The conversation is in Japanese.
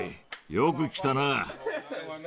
よく来たな。